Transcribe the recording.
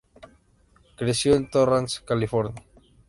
Creció en Torrance, California.